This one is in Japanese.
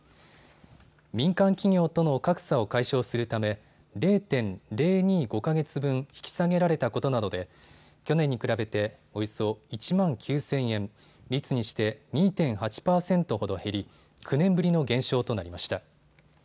民間企業との格差を解消するため０．０２５か月分引き下げられたことなどで去年に比べておよそ１万９０００円、率にして２．８％ほど減り、９年ぶりの減少となりました。